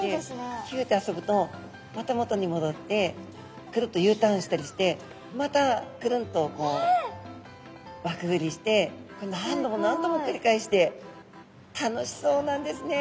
ひゅと遊ぶとまた元にもどってくるっとＵターンしたりしてまたくるんと輪くぐりして何度も何度もくりかえして楽しそうなんですね。